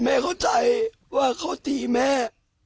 เข้าใจว่าเขาตีแม่